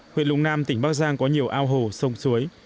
huyện lục nam tỉnh bắc giang có nhiều ao hồ sông suối